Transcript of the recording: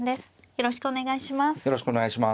よろしくお願いします。